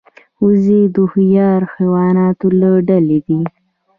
وزې د هوښیار حیواناتو له ډلې ده